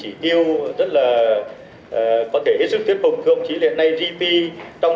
như an ninh quốc phòng